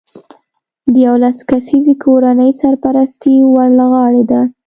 د یولس کسیزې کورنۍ سرپرستي ور له غاړې ده